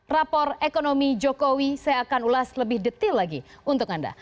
rapor ekonomi jokowi saya akan ulas lebih detail lagi untuk anda